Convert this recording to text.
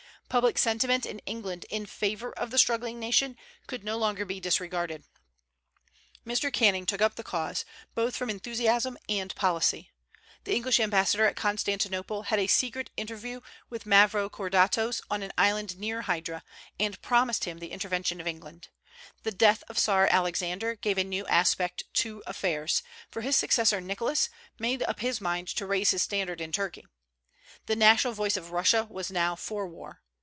Public sentiment in England in favor of the struggling nation could no longer be disregarded. Mr. Canning took up the cause, both from enthusiasm and policy. The English ambassador at Constantinople had a secret interview with Mavrokordatos on an island near Hydra, and promised him the intervention of England. The death of the Czar Alexander gave a new aspect to affairs; for his successor, Nicholas, made up his mind to raise his standard in Turkey. The national voice of Russia was now for war.